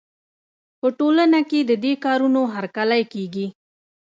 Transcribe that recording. په ټولنه کې د دې کارونو هرکلی کېږي.